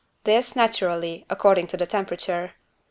This, naturally, according to the temperature.